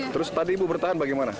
terus tadi ibu bertahan bagaimana